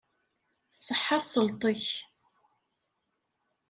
Tṣeḥḥa tesleṭ-ik.